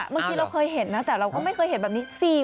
เมื่อกี้เราเคยเห็นแต่เราก็ไม่เคยเห็นแบบนี้